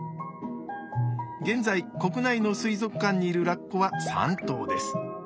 現在国内の水族館にいるラッコは３頭です。